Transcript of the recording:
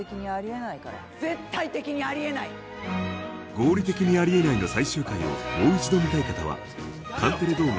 「合理的にあり得ない」の最終回をもう１度見たい方はカンテレドーガ